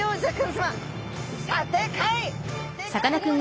さかなクン！